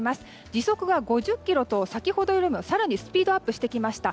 時速は５０キロと先ほどよりスピードアップしてきました。